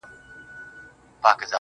• د ميني اوبه وبهېږي.